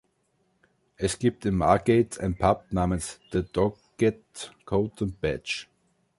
Es gibt in Margate ein Pub namens „The Doggett Coat and Badge“.